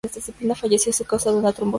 Falleció a causa de una trombosis cerebral.